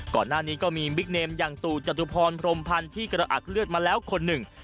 ก่อนหน้านี้ก็มีบิ๊กเนมอย่างตู่จตุพรพรมพันธ์ที่กระอักเลือดมาแล้วคนหนึ่ง